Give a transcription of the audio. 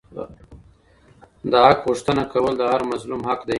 د حق غوښتنه کول د هر مظلوم حق دی.